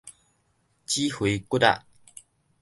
指揮骨仔